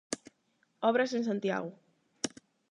Obras en Santiago.